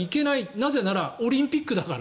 なぜなら、オリンピックだから。